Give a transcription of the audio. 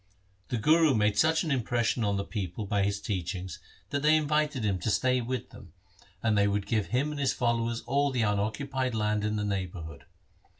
The Guru made such an impression on the people by his teachings that they invited him to stay with 104 THE SIKH RELIGION them, and they would give him and his followers all the unoccupied land in the neighbourhood.